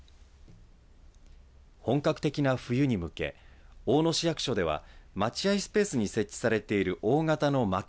本格的な冬に向け大野市役所では待合スペースに設置されている大型のまき